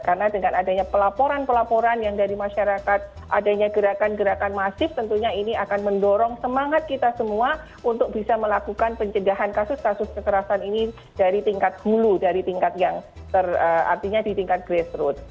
karena dengan adanya pelaporan pelaporan yang dari masyarakat adanya gerakan gerakan masif tentunya ini akan mendorong semangat kita semua untuk bisa melakukan pencedahan kasus kasus kekerasan ini dari tingkat gulu dari tingkat yang artinya di tingkat grassroots